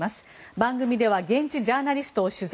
番組では現地ジャーナリストを取材。